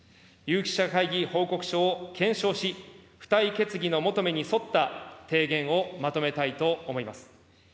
有識者会議報告書を検証し、付帯決議の求めにそった提言をまとめたいと思います。